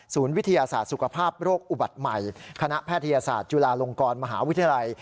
วิทยาศาสตร์สุขภาพโรคอุบัติใหม่คณะแพทยศาสตร์จุฬาลงกรมหาวิทยาลัย